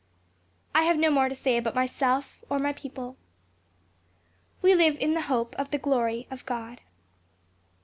I have no more to say about myself or my people. We live in hope of the glory of God.